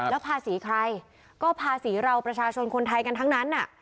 แล้วภาษีใครก็ภาษีเราประชาชนคนไทยกันทั้งนั้น